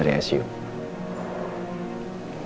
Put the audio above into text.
terima kasih om